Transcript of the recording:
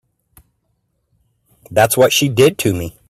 That's what she did to me.